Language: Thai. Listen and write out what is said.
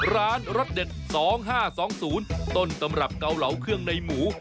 รสเด็ด๒๕๒๐ต้นตำรับเกาเหลาเครื่องในหมู